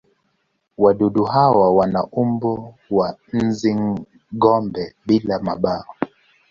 Wadudu hawa wana umbo wa nzi-gome bila mabawa.